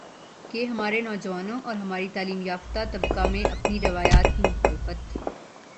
کہ ہمارے نوجوانوں اور ہمارے تعلیم یافتہ طبقہ میں اپنی روایات کی مخالفت